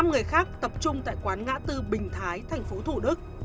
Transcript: năm người khác tập trung tại quán ngã tư bình thái thành phố thủ đức